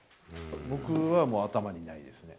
僕はもう頭にないですね。